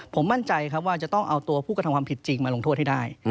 ผมมั่นใจครับว่าจะต้องเอาตัวผู้กระทำความผิดจริงมาลงโทษให้ได้